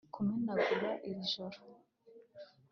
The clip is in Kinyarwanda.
kumenagura iri joro